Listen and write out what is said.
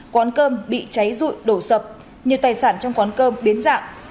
quán cơm bị cháy rụi đổ sập nhiều tài sản trong quán cơm biến dạng